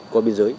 qua biên giới